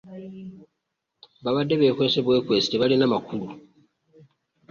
Baabadde beekwasa bwekwasa tebalina makulu.